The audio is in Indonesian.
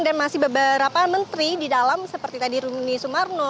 dan masih beberapa menteri di dalam seperti tadi rumi sumarno